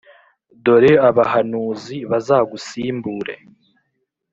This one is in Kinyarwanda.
dore abahanuzi bazagusimbure;